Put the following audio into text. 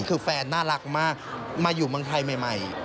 คือแฟนน่ารักมากมาอยู่เมืองไทยใหม่